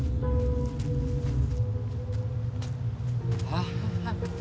ああ。